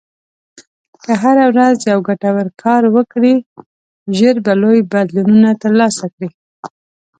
که هره ورځ یو ګټور کار وکړې، ژر به لوی بدلونونه ترلاسه کړې.